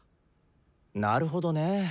なるほどね。